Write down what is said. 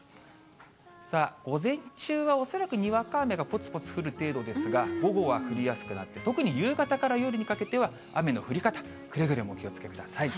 さあ、午前中は恐らくにわか雨がぽつぽつ降る程度ですが、午後は降りやすくなって、特に夕方から夜にかけては、雨の降り方、くれぐれもお気をつけください。